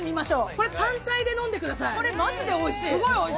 これ単体で飲んでください。